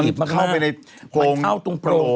มันเข้าไปในโพงประโลกเข้าไปอะไรอย่างเงี้ย